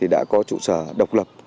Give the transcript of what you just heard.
đã có trụ sở độc lập